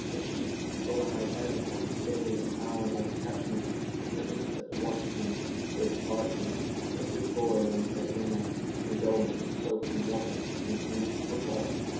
The sheep arrive at an appointed day and hour by detachments and regiments at the washpen. They depart thence, like good boys on Saturday night, redolent of soap and water, and clean to a fault.